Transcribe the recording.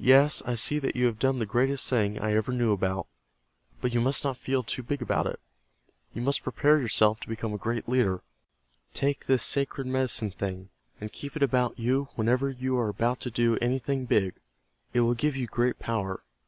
Yes, I see that you have done the greatest thing I ever knew about, But you must not feel too big about it. You must prepare yourself to become a great leader. Take this sacred Medicine Thing, and keep it about you whenever you are about to do anything big. It will give you great power.